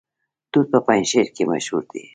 توت په پنجشیر کې مشهور دي